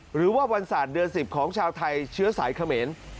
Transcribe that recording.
หรือว่าวันศาสตร์เดือน๑๐ของชาวไทยเชื้อสายเขมร